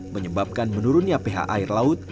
menyebabkan menurunnya ph air laut